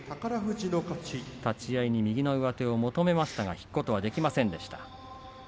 立ち合いに右の上手を求めましたが引くことはできませんでした。